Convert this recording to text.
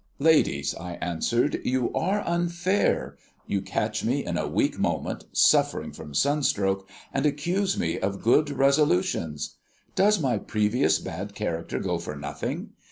"Ladies," I answered, "you are unfair. You catch me in a weak moment, suffering from sunstroke, and accuse me of good resolutions. Does my previous bad character go for nothing?